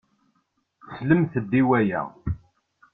Slemt-d i waya!